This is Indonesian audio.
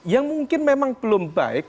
yang mungkin memang belum baik